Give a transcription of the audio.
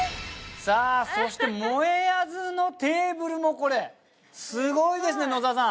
さあそしてもえあずのテーブルもすごいですね野沢さん。